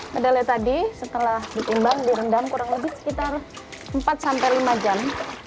kedelai tadi setelah ditimbang direndam kurang lebih sekitar empat sampai lima jam